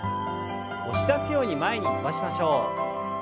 押し出すように前に伸ばしましょう。